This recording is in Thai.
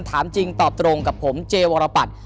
ถามจริงตอบตรงกับผมเจวรปัตย์